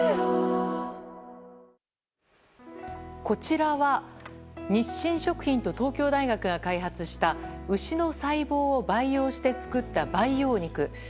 こちらは日清食品と東京大学が開発した牛の細胞を培養して作った培養肉。